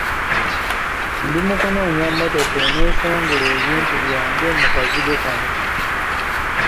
Ndi mu kunoonya mmotoka enneesengula ebintu byange mu kazigo kano.